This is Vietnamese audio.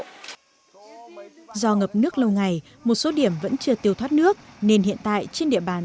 do ngập nước lâu ngày một số điểm vẫn chưa tiêu thoát nước nên hiện tại trên địa bàn